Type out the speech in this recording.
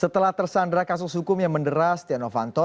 setelah tersandara kasus hukum yang menderas stenovanto